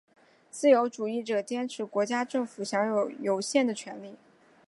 自由主义者坚持国家政府享有有限的权力。